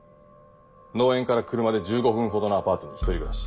農園から車で１５分ほどのアパートに１人暮らし。